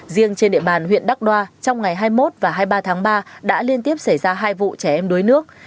riêng trên địa bàn huyện đắk đoa trong ngày hai mươi một và hai mươi ba tháng ba đã liên tiếp xảy ra hai vụ trẻ em đuối nước